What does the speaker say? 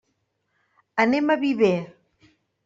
Anem a Viver.